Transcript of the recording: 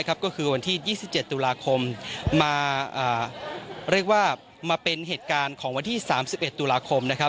ก็คือวันที่๒๗ตุลาคมมาเป็นเหตุการณ์ของวันที่๓๑ตุลาคม